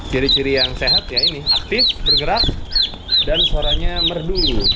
ciri ciri yang sehat ya ini aktif bergerak dan suaranya merdu